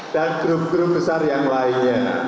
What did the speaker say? dan grup grup besar yang lainnya